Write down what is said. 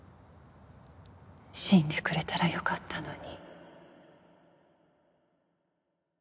死んでくれたらよかったのに